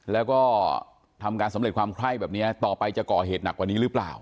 แล้วก็ทำการสำเร็จความไข้แบบนี้ต่อไปจะก่อเหตุหนักกว่านี้หรือเปล่า